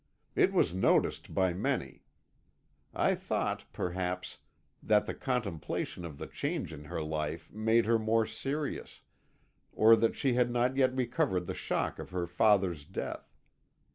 It was noticed by many. I thought, perhaps, that the contemplation of the change in her life made her more serious, or that she had not yet recovered the shock of her father's death.